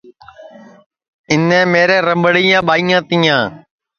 اِنے میرے رمڑیاں ٻائیاں تیا